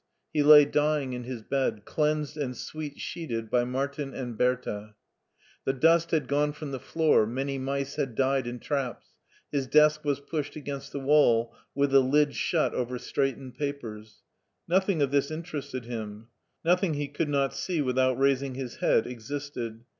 He lay dying in his bed, cleansed and sweet sheeted by Martin and Berthaf The dust had gone from the floor, many mice had died in traps, his desk was pushed against the wall with the lid shut over straightened papers. Nothing of this interested him, nothing he could not see without raising his head existed.